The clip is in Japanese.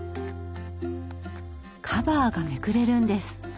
カバーがめくれるんです。